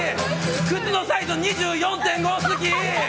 靴のサイズ２４．５好き！